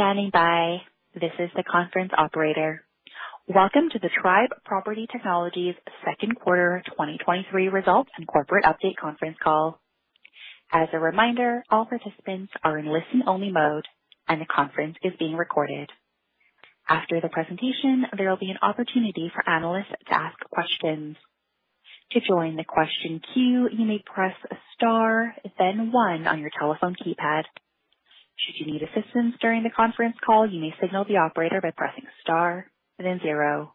Thank you for standing by. This is the conference operator. Welcome to the Tribe Property Technologies second quarter 2023 results and corporate update conference call. As a reminder, all participants are in listen-only mode, and the conference is being recorded. After the presentation, there will be an opportunity for analysts to ask questions. To join the question queue, you may press star, then one on your telephone keypad. Should you need assistance during the conference call, you may signal the operator by pressing star, then zero.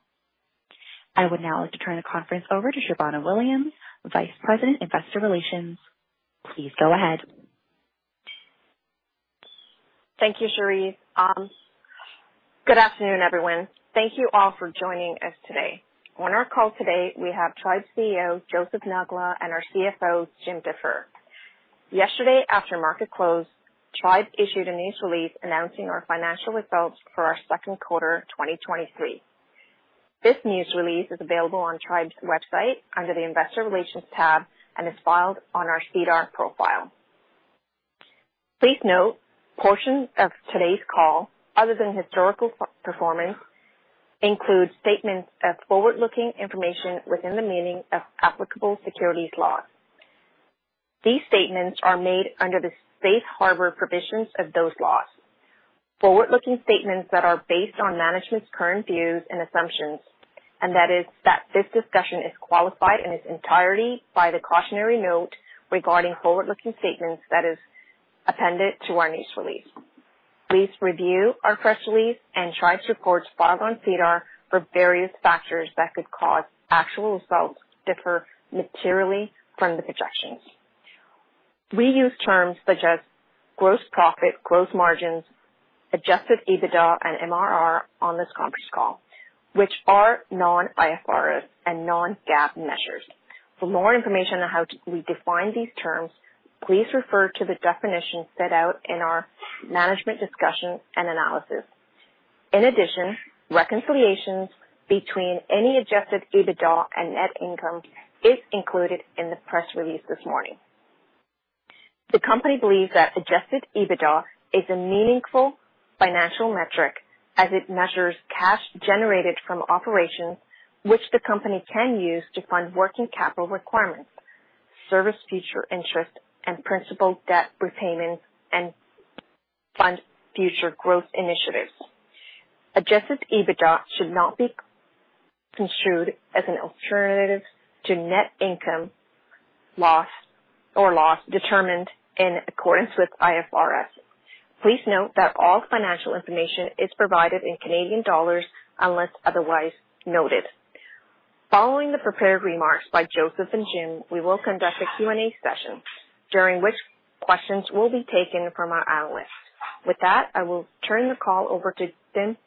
I would now like to turn the conference over to Shobana Williams, Vice President, Investor Relations. Please go ahead. Thank you, Cherise. Good afternoon, everyone. Thank you all for joining us today. On our call today, we have Tribe's CEO, Joseph Nakhla, and our CFO, Jim Defer. Yesterday, after market close, Tribe issued a news release announcing our financial results for our second quarter, 2023. This news release is available on Tribe's website under the Investor Relations tab and is filed on our SEDAR profile. Please note, portions of today's call, other than historical performance, include statements of forward-looking information within the meaning of applicable securities laws. These statements are made under the safe harbor provisions of those laws. Forward-looking statements that are based on management's current views and assumptions, and that is that this discussion is qualified in its entirety by the cautionary note regarding forward-looking statements that is appended to our news release. Please review our press release and Tribe's reports filed on SEDAR for various factors that could cause actual results to differ materially from the projections. We use terms such as gross profit, gross margins, Adjusted EBITDA and MRR on this conference call, which are non-IFRS and non-GAAP measures. For more information on how we define these terms, please refer to the definition set out in our management discussion and analysis. In addition, reconciliations between any Adjusted EBITDA and net income is included in the press release this morning. The company believes that Adjusted EBITDA is a meaningful financial metric as it measures cash generated from operations, which the company can use to fund working capital requirements, service future interest and principal debt repayments, and fund future growth initiatives. Adjusted EBITDA should not be construed as an alternative to net income, loss, or loss determined in accordance with IFRS. Please note that all financial information is provided in Canadian dollars, unless otherwise noted. Following the prepared remarks by Joseph and Jim, we will conduct a Q&A session, during which questions will be taken from our analysts. With that, I will turn the call over to Jim,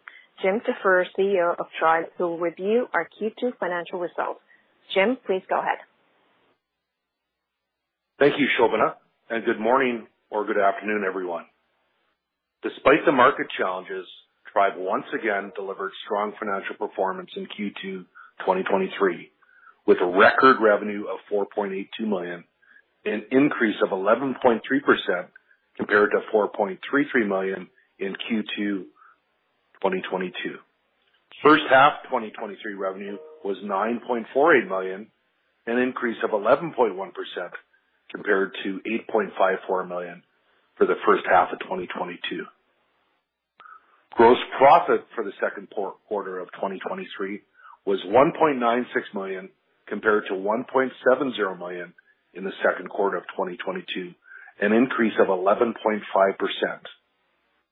Jim Defer, CEO of Tribe, who will review our Q2 financial results. Jim, please go ahead. Thank you, Shobana, and good morning or good afternoon, everyone. Despite the market challenges, Tribe once again delivered strong financial performance in Q2, 2023, with a record revenue of 4.82 million, an increase of 11.3% compared to 4.33 million in Q2, 2022. First half, 2023 revenue was 9.48 million, an increase of 11.1% compared to 8.54 million for the first half of 2022. Gross profit for the second quarter of 2023 was 1.96 million, compared to 1.70 million in the second quarter of 2022, an increase of 11.5%.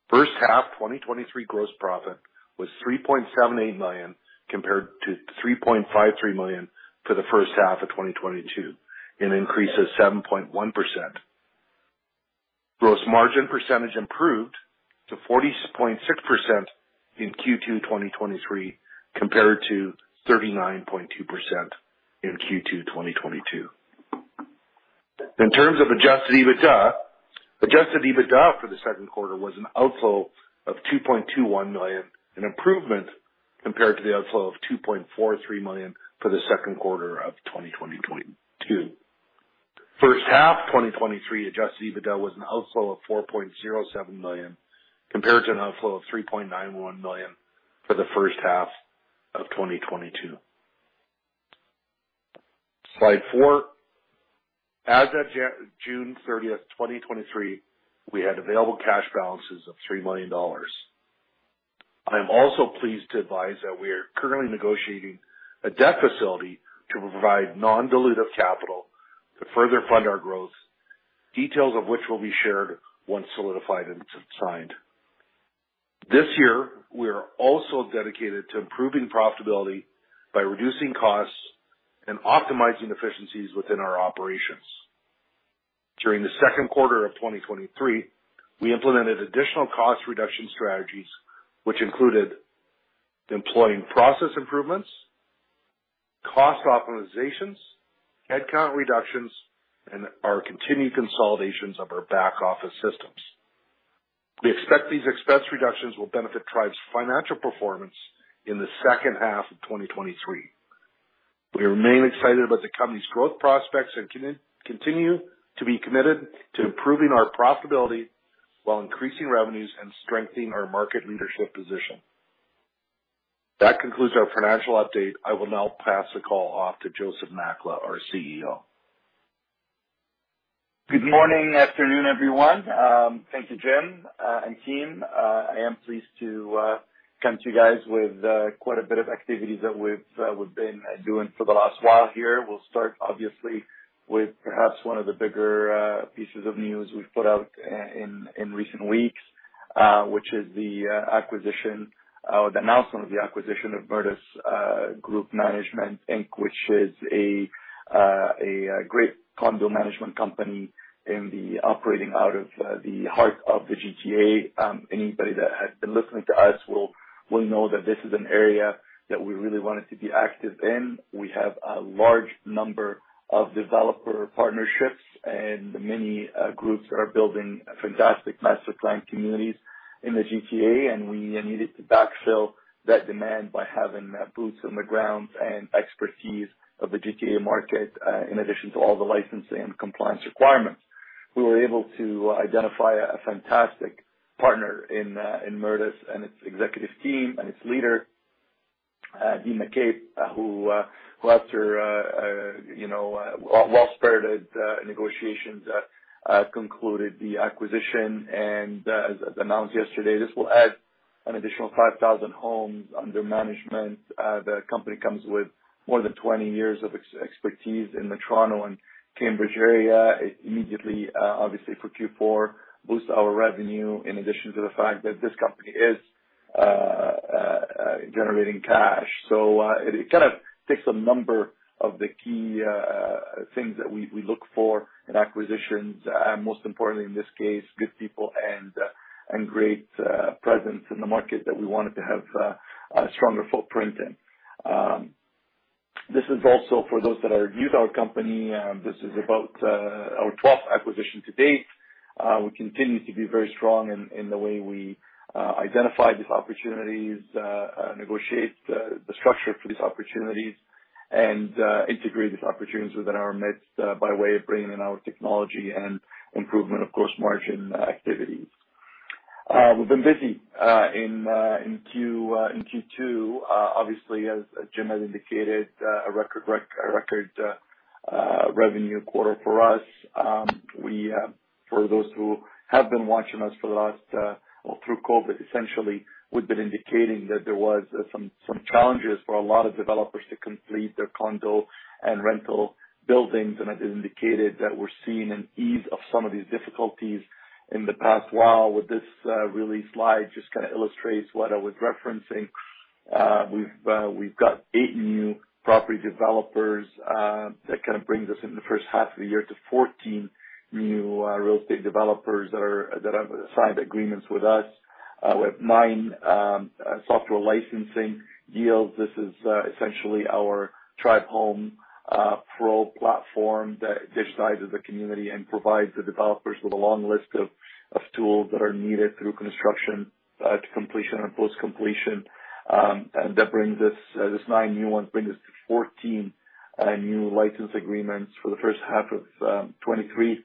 First half 2023 gross profit was 3.78 million, compared to 3.53 million for the first half of 2022, an increase of 7.1%. Gross margin percentage improved to 40.6% in Q2 2023, compared to 39.2% in Q2 2022. In terms of Adjusted EBITDA, Adjusted EBITDA for the second quarter was an outflow of 2.21 million, an improvement compared to the outflow of 2.43 million for the second quarter of 2022. First half 2023 Adjusted EBITDA was an outflow of 4.07 million, compared to an outflow of 3.91 million for the first half of 2022. Slide four. As of June 30th, 2023, we had available cash balances of 3 million dollars. I am also pleased to advise that we are currently negotiating a debt facility to provide non-dilutive capital to further fund our growth, details of which will be shared once solidified and signed. This year, we are also dedicated to improving profitability by reducing costs and optimizing efficiencies within our operations. During the second quarter of 2023, we implemented additional cost reduction strategies, which included employing process improvements, cost optimizations, headcount reductions, and our continued consolidations of our back-office systems. We expect these expense reductions will benefit Tribe's financial performance in the second half of 2023.... We remain excited about the company's growth prospects and continue to be committed to improving our profitability, while increasing revenues and strengthening our market leadership position. That concludes our financial update. I will now pass the call off to Joseph Nakhla, our CEO. Good morning, afternoon, everyone. Thank you, Jim, and team. I am pleased to come to you guys with quite a bit of activities that we've we've been doing for the last while here. We'll start obviously, with perhaps one of the bigger pieces of news we've put out in recent weeks, which is the acquisition or the announcement of the acquisition of Meritus Group Management Inc, which is a a great condo management company in the operating out of the heart of the GTA. Anybody that has been listening to us will will know that this is an area that we really wanted to be active in. We have a large number of developer partnerships, and many groups are building fantastic master planned communities in the GTA, and we needed to backfill that demand by having boots on the grounds and expertise of the GTA market, in addition to all the licensing and compliance requirements. We were able to identify a fantastic partner in Meritus and its executive team and its leader, Dean McCabe, who after you know, well spirited negotiations concluded the acquisition. And as announced yesterday, this will add an additional 5,000 homes under management. The company comes with more than 20 years of expertise in the Toronto and Cambridge area. It immediately, obviously for Q4, boosts our revenue, in addition to the fact that this company is generating cash. It kind of ticks a number of the key things that we look for in acquisitions, and most importantly, in this case, good people and great presence in the market that we wanted to have a stronger footprint in. This is also for those that are new to our company. This is about our 12th acquisition to date. We continue to be very strong in the way we identify these opportunities, negotiate the structure for these opportunities and integrate these opportunities within our midst, by way of bringing in our technology and improvement, of course, margin activities. We've been busy in Q2. Obviously, as Jim has indicated, a record revenue quarter for us. We, for those who have been watching us for the last, or through COVID, essentially, we've been indicating that there was some challenges for a lot of developers to complete their condo and rental buildings. As indicated, we're seeing an ease of some of these difficulties in the past while. With this really slide, just kind of illustrates what I was referencing. We've got 8 new property developers that kind of brings us in the first half of the year to 14 new real estate developers that have signed agreements with us with 9 software licensing deals. This is essentially our Tribe Home Pro platform that digitizes the community and provides the developers with a long list of tools that are needed through construction to completion and post completion. And that brings us, this nine new ones, bring us to 14 new license agreements for the first half of 2023.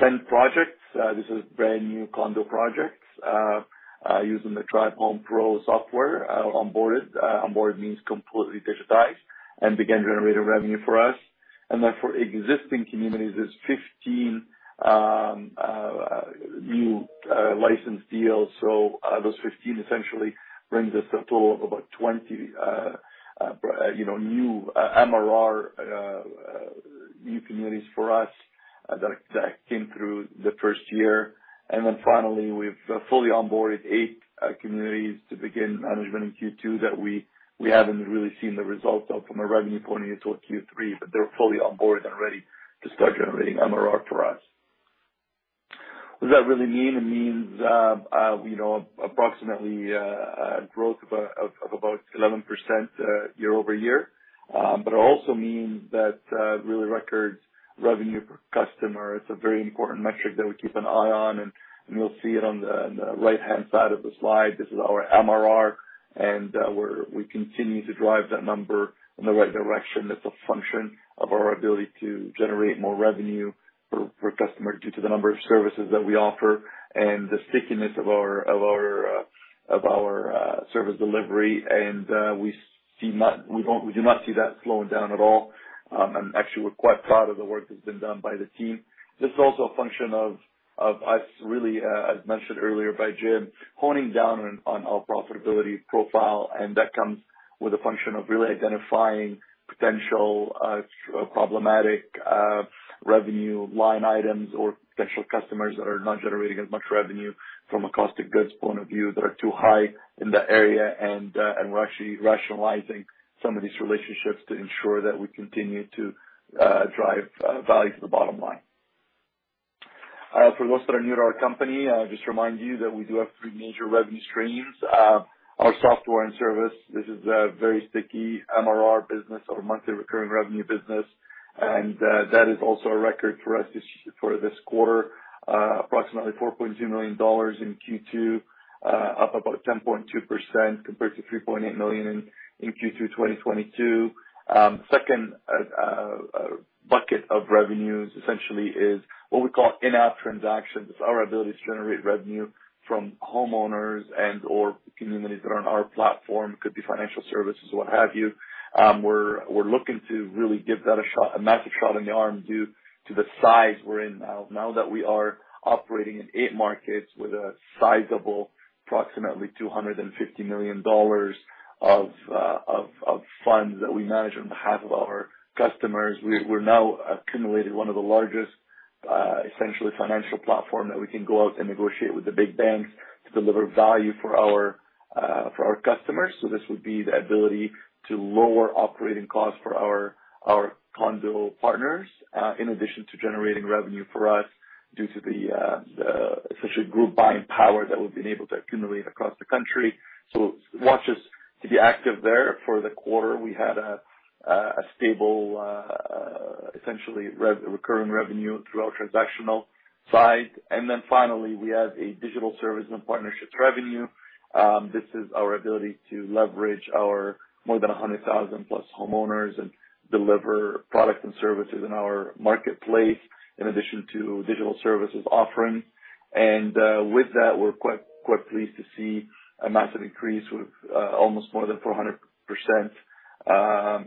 10 projects, this is brand new condo projects, using the Tribe Home Pro software, onboarded. Onboarded means completely digitized and begin generating revenue for us. And then for existing communities, there's 15 new license deals. So, those 15 essentially brings us a total of about 20, you know, new MRR, new communities for us, that came through the first year. And then finally, we've fully onboarded eight communities to begin management in Q2, that we haven't really seen the results of from a revenue point of view till Q3, but they're fully on board and ready to start generating MRR for us. What does that really mean? It means, you know, approximately, a growth of about 11%, year-over-year. But it also means that, really record revenue per customer, it's a very important metric that we keep an eye on, and you'll see it on the right-hand side of the slide. This is our MRR, and we continue to drive that number in the right direction. It's a function of our ability to generate more revenue per customer, due to the number of services that we offer and the stickiness of our service delivery. And we do not see that slowing down at all. And actually, we're quite proud of the work that's been done by the team. This is also a function of us really, as mentioned earlier by Jim, honing down on our profitability profile, and that comes with a function of really identifying potential problematic revenue line items or potential customers that are not generating as much revenue from a cost of goods point of view, that are too high in that area. And we're actually rationalizing some of these relationships to ensure that we continue to drive value to the bottom line. For those that are new to our company, just remind you that we do have three major revenue streams. Our software and service, this is a very sticky MRR business or monthly recurring revenue business.... That is also a record for us for this quarter, approximately 4.2 million dollars in Q2, up about 10.2% compared to 3.8 million in Q2 2022. Second bucket of revenues essentially is what we call in-app transactions. It's our ability to generate revenue from homeowners and/or communities that are on our platform. Could be financial services, what have you. We're looking to really give that a massive shot in the arm due to the size we're in now. Now that we are operating in 8 markets with a sizable, approximately 250 million dollars of funds that we manage on behalf of our customers. We're now accumulated one of the largest, essentially financial platform that we can go out and negotiate with the big banks to deliver value for our, for our customers. So this would be the ability to lower operating costs for our, our condo partners, in addition to generating revenue for us due to the, the essentially group buying power that we've been able to accumulate across the country. So watch us to be active there. For the quarter, we had a, a stable, essentially, recurring revenue through our transactional side. And then finally, we had a digital service and partnerships revenue. This is our ability to leverage our more than 100,000+ homeowners and deliver products and services in our marketplace, in addition to digital services offering. With that, we're quite, quite pleased to see a massive increase with, almost more than 400%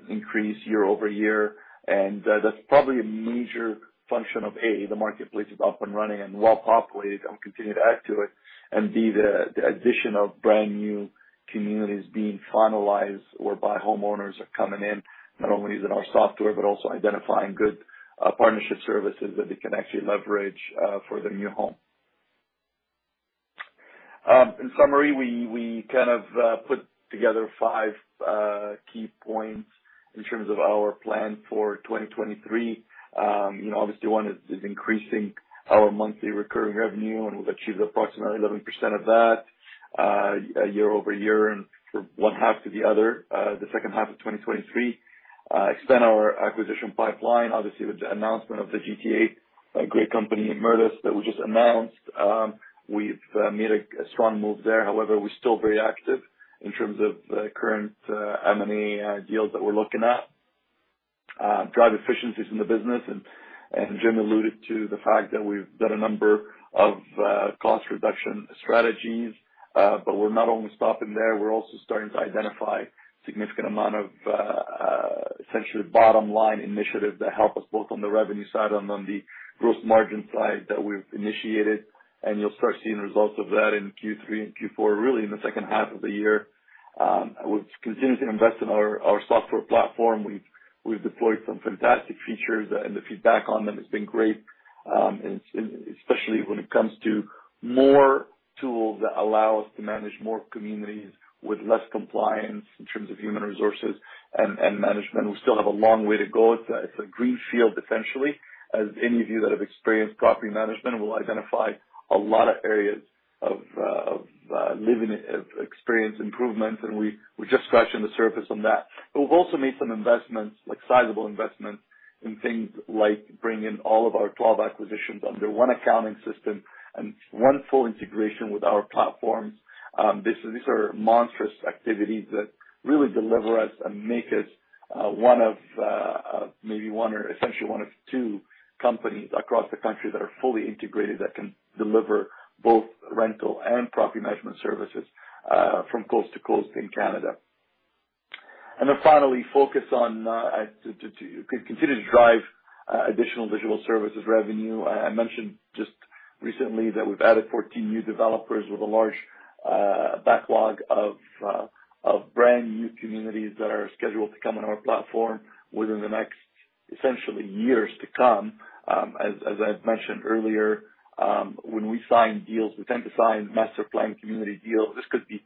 increase year-over-year. That's probably a major function of, A, the marketplace is up and running and well populated, and we continue to add to it. And B, the addition of brand new communities being finalized or by homeowners are coming in, not only using our software, but also identifying good, partnership services that they can actually leverage, for their new home. In summary, we kind of put together five key points in terms of our plan for 2023. You know, obviously, one is increasing our monthly recurring revenue, and we've achieved approximately 11% of that, year-over-year and from one half to the other. The second half of 2023, extend our acquisition pipeline, obviously, with the announcement of the GTA, a great company in Meritus that we just announced. We've made a strong move there. However, we're still very active in terms of the current M&A deals that we're looking at. Drive efficiencies in the business, and Jim alluded to the fact that we've done a number of cost reduction strategies, but we're not only stopping there, we're also starting to identify significant amount of essentially bottom line initiatives that help us both on the revenue side and on the gross margin side that we've initiated. And you'll start seeing results of that in Q3 and Q4, really in the second half of the year. We've continued to invest in our software platform. We've deployed some fantastic features, and the feedback on them has been great, and especially when it comes to more tools that allow us to manage more communities with less compliance in terms of human resources and management. We still have a long way to go. It's a greenfield, essentially, as any of you that have experienced property management will identify a lot of areas of living experience improvements, and we're just scratching the surface on that. But we've also made some investments, like sizable investments in things like bringing all of our 12 acquisitions under one accounting system and one full integration with our platforms. These are monstrous activities that really deliver us and make us, maybe one or essentially one of two companies across the country that are fully integrated, that can deliver both rental and property management services, from coast to coast in Canada. And then finally, focus on to continue to drive additional digital services revenue. I mentioned just recently that we've added 14 new developers with a large backlog of brand new communities that are scheduled to come on our platform within the next, essentially, years to come. As I've mentioned earlier, when we sign deals, we tend to sign master planned community deals. This could be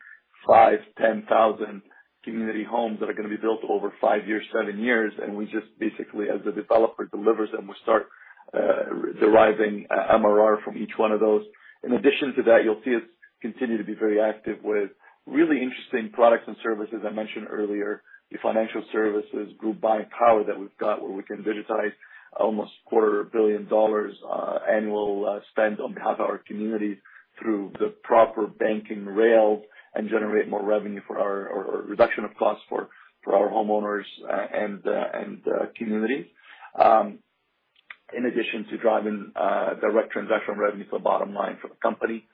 5 to 10,000 community homes that are going to be built over 5 years, 7 years, and we just basically, as the developer delivers them, we start deriving MRR from each one of those. In addition to that, you'll see us continue to be very active with really interesting products and services. I mentioned earlier, the financial services group buying power that we've got, where we can digitize almost 250 million dollars annual spend on behalf of our community through the proper banking rails and generate more revenue for our... or reduction of costs for our homeowners and communities. In addition to driving direct transactional revenue to the bottom line for the company.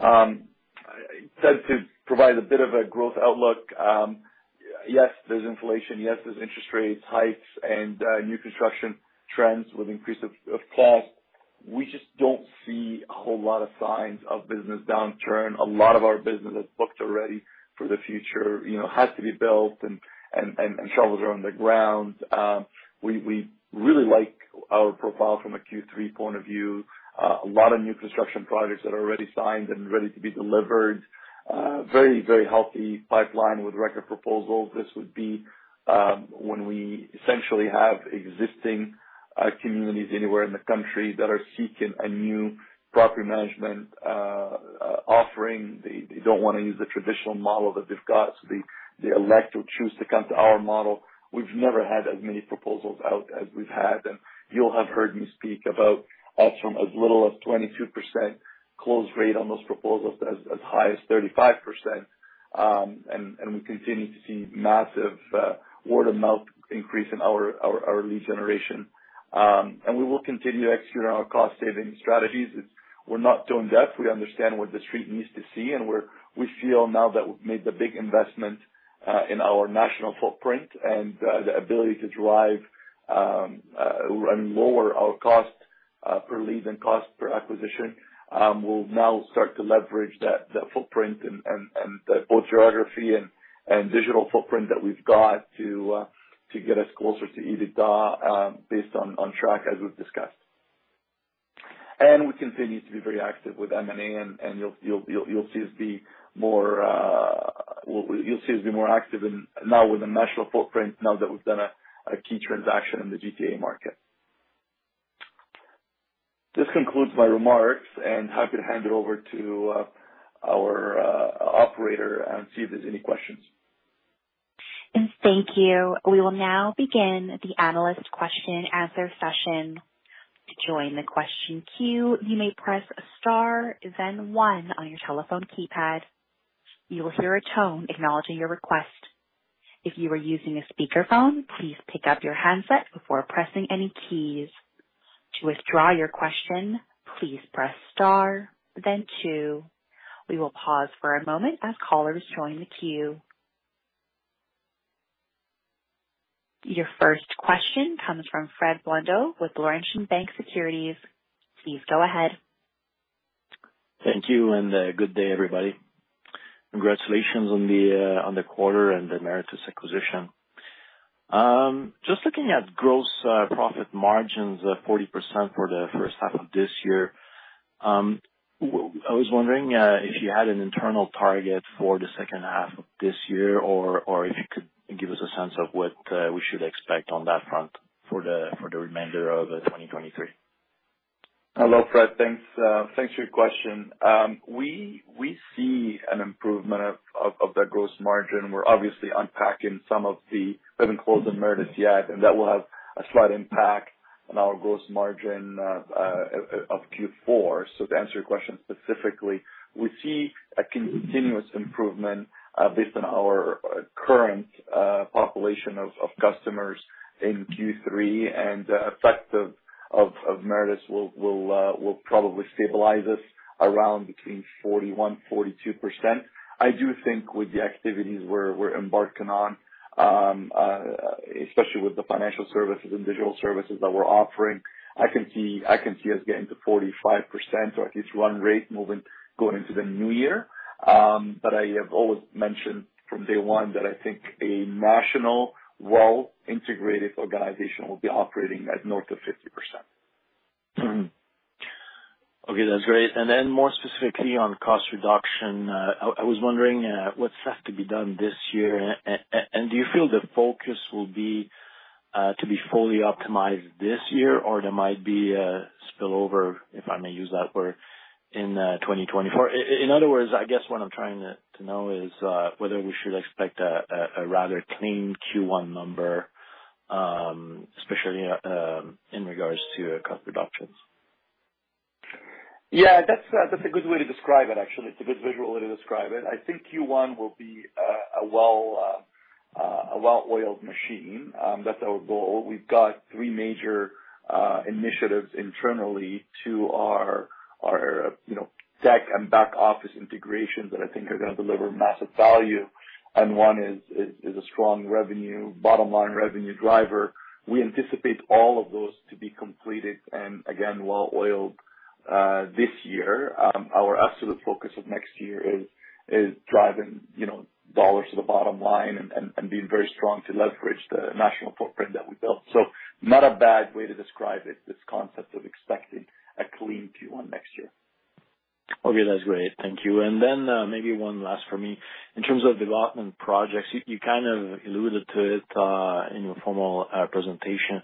So to provide a bit of a growth outlook, yes, there's inflation, yes, there's interest rates, hikes, and new construction trends with increase of costs. We just don't see a whole lot of signs of business downturn. A lot of our business is booked already for the future, you know, has to be built and shovels are on the ground. We really like our profile from a Q3 point of view. A lot of new construction projects that are already signed and ready to be delivered. Very, very healthy pipeline with record proposals. This would be when we essentially have existing communities anywhere in the country that are seeking a new property management offering. They don't want to use the traditional model that they've got, so they elect or choose to come to our model. We've never had as many proposals out as we've had, and you'll have heard me speak about us from as little as 22% close rate on those proposals as high as 35%. And we continue to see massive word-of-mouth increase in our lead generation. And we will continue to execute on our cost saving strategies. We're not doing that. We understand what the street needs to see, and we feel now that we've made the big investment in our national footprint and the ability to drive and lower our costs per lead and cost per acquisition. We'll now start to leverage that footprint and both geography and digital footprint that we've got to get us closer to EBITDA based on track, as we've discussed. And we continue to be very active with M&A, and you'll see us be more active now with a national footprint, now that we've done a key transaction in the GTA market. This concludes my remarks, and I could hand it over to our operator and see if there's any questions. Thank you. We will now begin the analyst question and answer session. To join the question queue, you may press star, then one on your telephone keypad. You will hear a tone acknowledging your request. If you are using a speakerphone, please pick up your handset before pressing any keys. To withdraw your question, please press star, then two. We will pause for a moment as callers join the queue. Your first question comes from Fred Buonocore with Laurentian Bank Securities. Please go ahead. Thank you, and good day, everybody. Congratulations on the quarter and the Meritus acquisition. Just looking at gross profit margins of 40% for the first half of this year, I was wondering if you had an internal target for the second half of this year or if you could give us a sense of what we should expect on that front for the remainder of 2023. Hello, Fred. Thanks, thanks for your question. We see an improvement of the gross margin. We're obviously unpacking some of the we haven't closed the Meritus yet, and that will have a slight impact on our gross margin of Q4. So to answer your question specifically, we see a continuous improvement based on our current population of customers in Q3, and the effect of Meritus will probably stabilize us around between 41 to 42%. I do think with the activities we're embarking on, especially with the financial services and digital services that we're offering, I can see, I can see us getting to 45% or at least run rate moving going into the new year. But I have always mentioned from day one that I think a national, well integrated organization will be operating at north of 50%. Okay, that's great. And then more specifically on cost reduction, I was wondering, what's left to be done this year? And do you feel the focus will be to be fully optimized this year, or there might be a spillover, if I may use that word, in 2024? In other words, I guess what I'm trying to know is whether we should expect a rather clean Q1 number, especially in regards to cost reductions. Yeah, that's a, that's a good way to describe it, actually. It's a good visual way to describe it. I think Q1 will be a well-oiled machine. That's our goal. We've got three major initiatives internally to our you know tech and back office integrations that I think are gonna deliver massive value. And one is a strong revenue, bottom line revenue driver. We anticipate all of those to be completed and again, well-oiled this year. Our absolute focus of next year is driving you know dollars to the bottom line and being very strong to leverage the national footprint that we built. So not a bad way to describe it, this concept of expecting a clean Q1 next year. Okay, that's great. Thank you. And then, maybe one last for me. In terms of development projects, you kind of alluded to it in your formal presentation.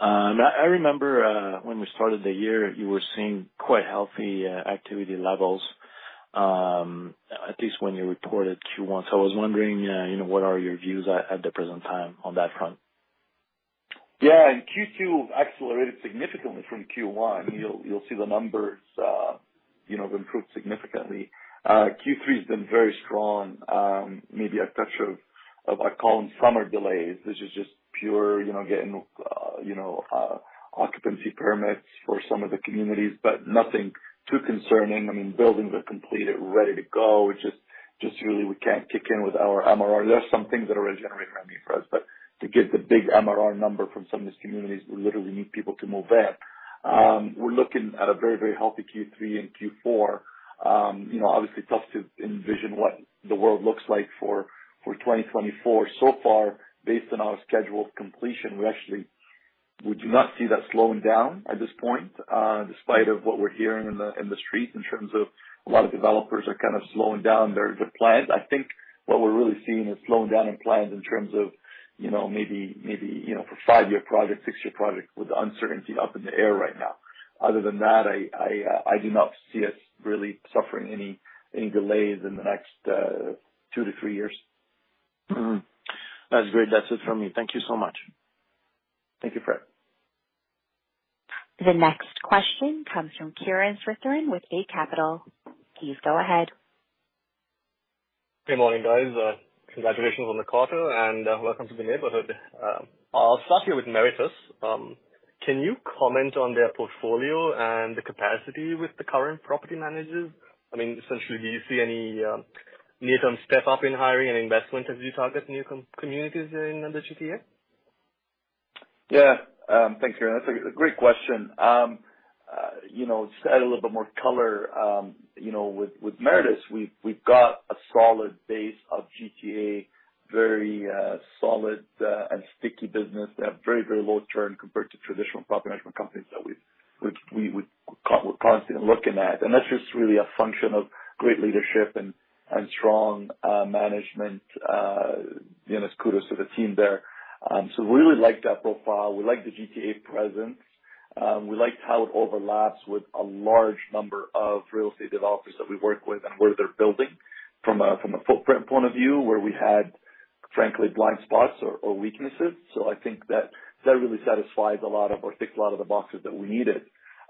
I remember when we started the year, you were seeing quite healthy activity levels, at least when you reported Q1. So I was wondering, you know, what are your views at the present time on that front? Yeah, in Q2, we've accelerated significantly from Q1. You'll see the numbers, you know, have improved significantly. Q3 has been very strong, maybe a touch of, of, I call them summer delays. This is just pure, you know, getting, you know, occupancy permits for some of the communities, but nothing too concerning. I mean, buildings are completed, ready to go. It's just, just really we can't kick in with our MRR. There are some things that are already generating MRR for us, but to get the big MRR number from some of these communities, we literally need people to move in. We're looking at a very, very healthy Q3 and Q4. You know, obviously, it's tough to envision what the world looks like for 2024. So far, based on our scheduled completion, we actually-... We do not see that slowing down at this point, despite of what we're hearing in the streets in terms of a lot of developers are kind of slowing down their plans. I think what we're really seeing is slowing down in plans in terms of, you know, maybe, maybe, you know, for 5-year projects, 6-year projects with the uncertainty up in the air right now. Other than that, I do not see us really suffering any delays in the next 2 to 3 years. Mm-hmm. That's great. That's it from me. Thank you so much. Thank you, Fred. The next question comes from Kiran Sritharan with Eight Capital. Please go ahead. Good morning, guys. Congratulations on the quarter, and welcome to the neighborhood. I'll start here with Meritus. Can you comment on their portfolio and the capacity with the current property managers? I mean, essentially, do you see any need some step up in hiring and investment as you target new communities in the GTA? Yeah. Thanks, Kiran. That's a great question. You know, just to add a little bit more color, you know, with Meritus, we've got a solid base of GTA, very solid and sticky business. They have very, very low churn compared to traditional property management companies that we've—which we would constantly looking at. That's just really a function of great leadership and strong management. You know, kudos to the team there. We really like that profile. We like the GTA presence. We liked how it overlaps with a large number of real estate developers that we work with and where they're building from a footprint point of view, where we had, frankly, blind spots or weaknesses. So I think that that really satisfies a lot of, or ticks a lot of the boxes that we needed.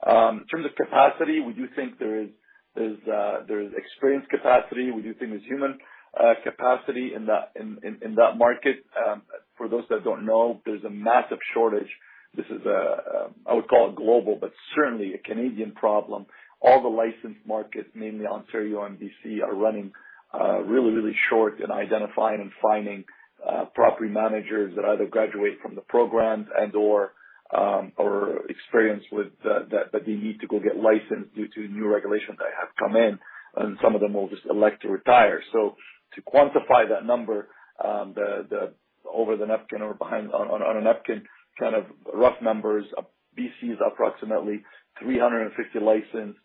In terms of capacity, we do think there is experienced capacity. We do think there's human capacity in that market. For those that don't know, there's a massive shortage. This is I would call it global, but certainly a Canadian problem. All the licensed markets, mainly Ontario and BC, are running really, really short in identifying and finding property managers that either graduate from the programs and/or or experienced that they need to go get licensed due to new regulations that have come in, and some of them will just elect to retire. So to quantify that number, the back-of-the-napkin kind of rough numbers, BC is approximately 350 licensed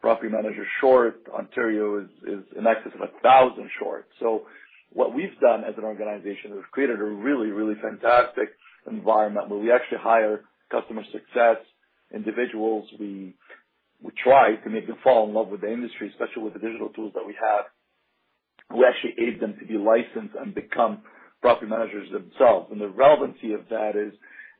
property managers short. Ontario is in excess of 1,000 short. So what we've done as an organization is we've created a really, really fantastic environment where we actually hire customer success individuals. We try to make them fall in love with the industry, especially with the digital tools that we have. We actually aid them to be licensed and become property managers themselves. And the relevancy of that is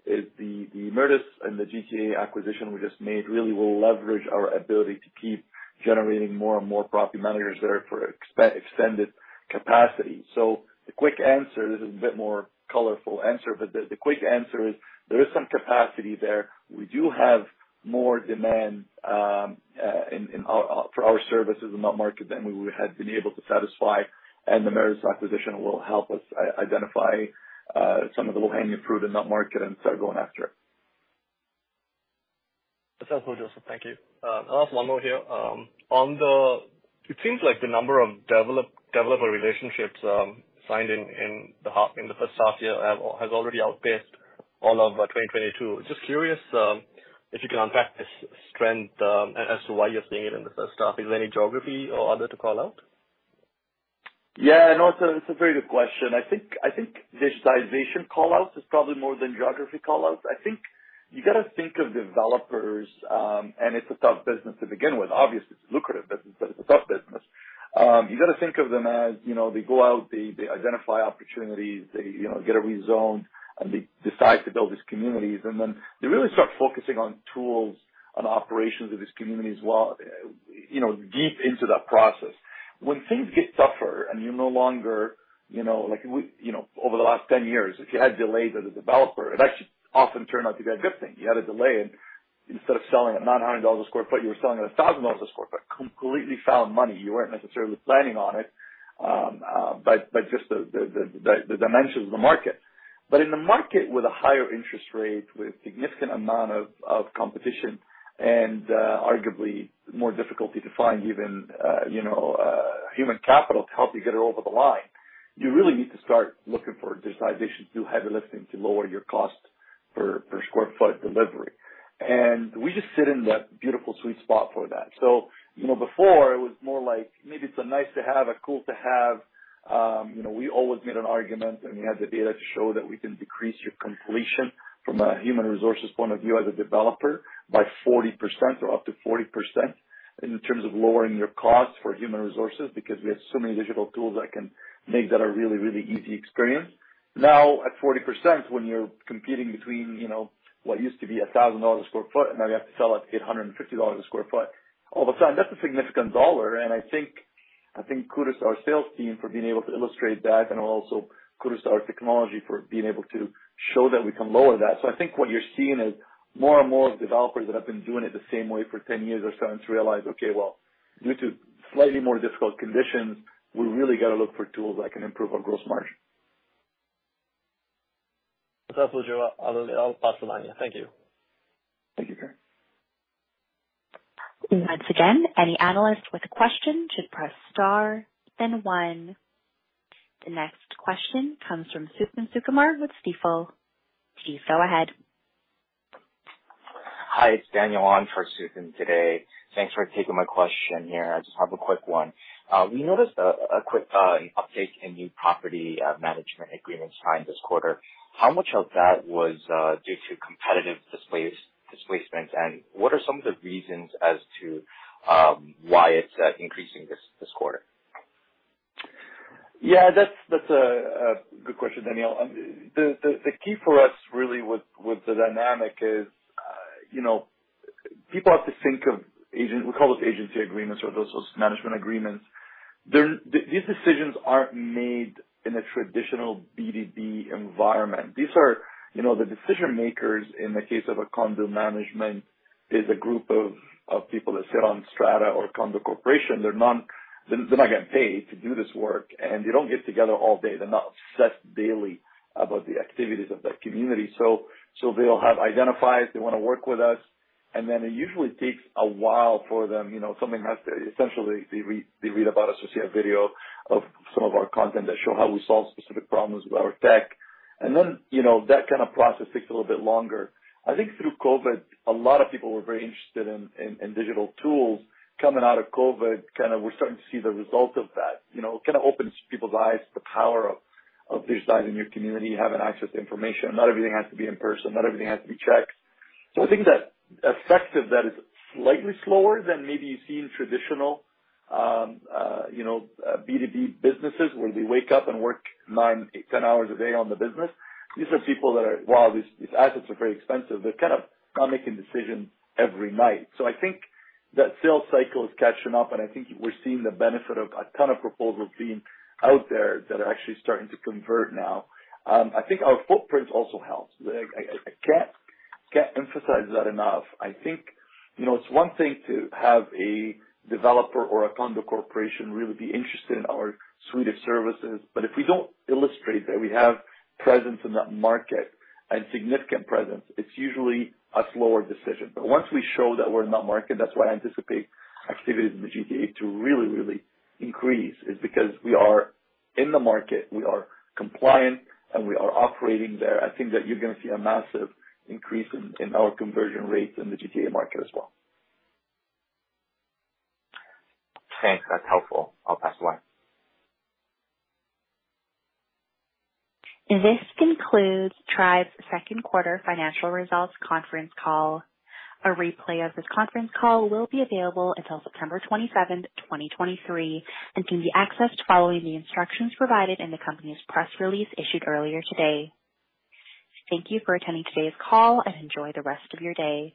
the Meritus and the GTA acquisition we just made really will leverage our ability to keep generating more and more property managers there for extended capacity. So the quick answer, this is a bit more colorful answer, but the quick answer is there is some capacity there. We do have more demand for our services in that market than we would had been able to satisfy, and the Meritus acquisition will help us identify some of the low-hanging fruit in that market and start going after it. That's helpful, Joseph. Thank you. I'll ask one more here. On the... It seems like the number of developer relationships signed in the first half year has already outpaced all of 2022. Just curious, if you can unpack this strength as to why you're seeing it in the first half. Is there any geography or other to call out? Yeah, no, it's a, it's a very good question. I think, I think digitization call outs is probably more than geography call outs. I think you got to think of developers, and it's a tough business to begin with. Obviously, it's lucrative, but it's a tough business. You got to think of them as, you know, they go out, they identify opportunities, they, you know, get a rezone, and they decide to build these communities. And then they really start focusing on tools and operations of these communities well, you know, deep into that process. When things get tougher and you're no longer, you know, like we, you know, over the last 10 years, if you had delays as a developer, it actually often turned out to be a good thing. You had a delay, and instead of selling at 900 dollars a sq ft, you were selling at 1,000 dollars a sq ft, completely found money. You weren't necessarily planning on it, but just the dimensions of the market. But in a market with a higher interest rate, with significant amount of competition, and arguably more difficulty to find even, you know, human capital to help you get it over the line, you really need to start looking for digitization, do heavy lifting to lower your cost per sq ft delivery. And we just sit in that beautiful sweet spot for that. So, you know, before it was more like maybe it's a nice to have, a cool to have, you know, we always made an argument, and we had the data to show that we can decrease your completion from a human resources point of view as a developer, by 40% or up to 40% in terms of lowering your costs for human resources, because we have so many digital tools that can make that a really, really easy experience. Now, at 40%, when you're competing between, you know, what used to be 1,000 dollars/sq ft, and now you have to sell at 850 dollars/sq ft, all of a sudden, that's a significant dollar. I think, I think kudos to our sales team for being able to illustrate that, and also kudos to our technology for being able to show that we can lower that. So I think what you're seeing is more and more developers that have been doing it the same way for 10 years or so and to realize, okay, well, due to slightly more difficult conditions, we really got to look for tools that can improve our gross margin. That's helpful, Joe. I'll pass it on you. Thank you. Thank you, Kiran.... Once again, any analyst with a question should press star then one. The next question comes from Suthan Sukumar with Stifel. Please go ahead. Hi, it's Daniel on for Suthan today. Thanks for taking my question here. I just have a quick one. We noticed a quick uptake in new property management agreements signed this quarter. How much of that was due to competitive displacements? And what are some of the reasons as to why it's increasing this quarter? Yeah, that's a good question, Daniel. The key for us really with the dynamic is, you know, people have to think of agent, we call those agency agreements or those management agreements. They're. These decisions aren't made in a traditional B2B environment. These are, you know, the decision makers in the case of a condo management is a group of people that sit on strata or condo corporation. They're not, they're not getting paid to do this work, and they don't get together all day. They're not obsessed daily about the activities of that community. So they'll have identified, they wanna work with us, and then it usually takes a while for them, you know, something has to. Essentially, they read about us to see a video of some of our content that show how we solve specific problems with our tech. And then, you know, that kind of process takes a little bit longer. I think through COVID, a lot of people were very interested in digital tools. Coming out of COVID, kind of we're starting to see the result of that. You know, it kind of opens people's eyes to the power of digitizing your community, having access to information. Not everything has to be in person. Not everything has to be checked. So I think that effect of that is slightly slower than maybe you see in traditional, you know, B2B businesses, where they wake up and work nine, 10 hours a day on the business. These are people that are... While these assets are very expensive, they're kind of not making decisions every night. So I think that sales cycle is catching up, and I think we're seeing the benefit of a ton of proposals being out there that are actually starting to convert now. I think our footprint also helps. I can't emphasize that enough. I think, you know, it's one thing to have a developer or a condo corporation really be interested in our suite of services, but if we don't illustrate that we have presence in that market and significant presence, it's usually a slower decision. But once we show that we're in that market, that's why I anticipate activities in the GTA to really, really increase, is because we are in the market, we are compliant, and we are operating there. I think that you're gonna see a massive increase in our conversion rates in the GTA market as well. Thanks. That's helpful. I'll pass the line. This concludes Tribe's second quarter financial results conference call. A replay of this conference call will be available until September 27th, 2023, and can be accessed following the instructions provided in the company's press release issued earlier today. Thank you for attending today's call, and enjoy the rest of your day.